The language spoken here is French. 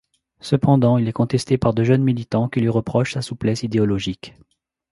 Cependant, il est contesté par de jeunes militants qui lui reprochent sa souplesse idéologique.